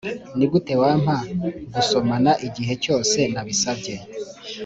nigute wampa gusomana igihe cyose nabisabye.